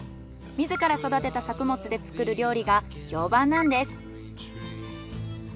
自ら育てた作物で作る料理が評判なんです。